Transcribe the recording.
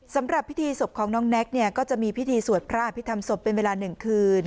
สำหรับพิธีศพของน้องแน็กเนี่ยก็จะมีพิธีสวดพระอภิษฐรรมศพเป็นเวลา๑คืน